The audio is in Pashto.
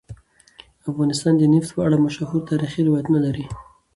افغانستان د نفت په اړه مشهور تاریخی روایتونه لري.